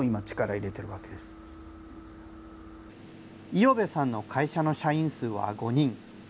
五百部さんの会社の社員数は５人。